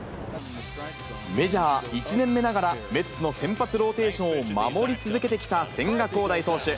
メジャー１年目ながら、メッツの先発ローテーションを守り続けてきた千賀滉大投手。